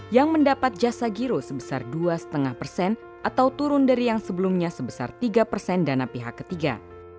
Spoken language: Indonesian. yang mendapat jasa giro sebesar dua lima persen atau turun dari yang sebelumnya sebesar tiga persen dana pihak ketiga